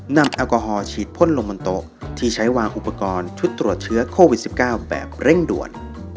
แอลกอฮอลฉีดพ่นลงบนโต๊ะที่ใช้วางอุปกรณ์ชุดตรวจเชื้อโควิด๑๙แบบเร่งด่วน